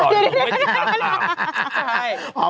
หล่อยเที่ยบร้อย